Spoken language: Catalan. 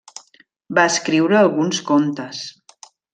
Va escriure alguns contes.